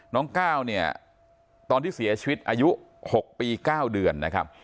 น้องเก้าตอนที่เสียชีวิตอายุ๖ปี๙เดือน